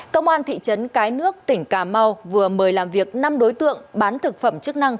công an thị trấn cái nước tỉnh cà mau vừa mời làm việc năm đối tượng bán thực phẩm chức năng